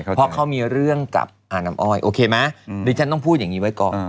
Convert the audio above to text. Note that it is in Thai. เพราะเขามีเรื่องกับอาน้ำอ้อยโอเคไหมดิฉันต้องพูดอย่างนี้ไว้ก่อน